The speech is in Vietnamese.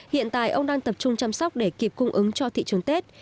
hiện tại ông đang tập trung chăm sóc để kịp cung ứng cho thị trường tết